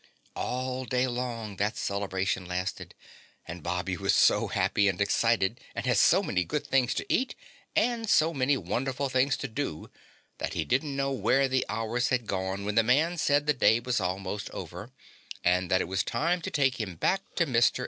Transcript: All day long that celebration lasted and Bobby was so happy and excited and had so many good things to eat and so many wonderful things to do that he didn't know where the hours had gone when the man said the day was almost over and that it was time to take him back to Mr. Eller's.